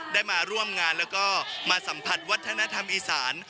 ได้มาร่วมงานแล้วก็มาสัมผัสวัฒนธรรมอีสาน